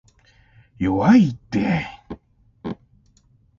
弱いって